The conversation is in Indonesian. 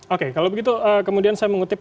oke kalau begitu kemudian saya mengutip